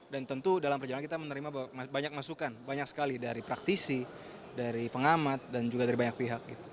tentu dalam perjalanan kita menerima banyak masukan banyak sekali dari praktisi dari pengamat dan juga dari banyak pihak gitu